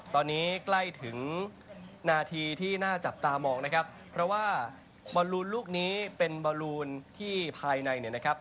ตอนนี้ใกล้ถึงนาทีที่น่าจับตามองนะครับเพราะว่าบอลลูนลูกนี้เป็นบอลลูนที่ภายในเนี่ยนะครับ